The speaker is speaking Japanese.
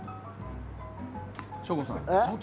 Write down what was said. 省吾さん。